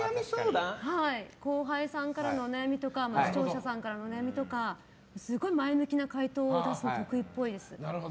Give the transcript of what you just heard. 後輩さんからのお悩みとか視聴者さんからのお悩みとかすごい前向きな回答を出すの得意っぽいです。